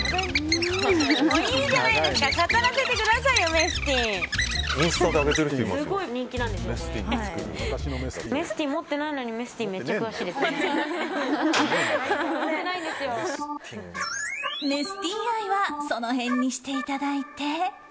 メスティン愛はその辺にしていただいて。